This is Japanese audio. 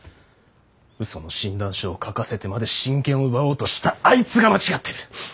うその診断書を書かせてまで親権を奪おうとしたあいつが間違ってる！